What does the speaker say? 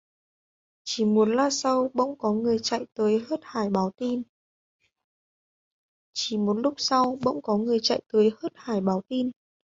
Chỉ một lát sau bỗng có người chạy tới hớt hải báo tin